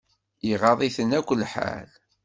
Iɣaḍ-iten akk lḥal.